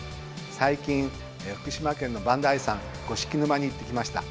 最近福島県の磐梯山五色沼に行ってきました。